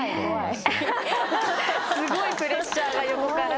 すごいプレッシャーが横から。